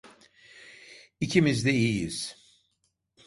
İkimiz de iyiyiz.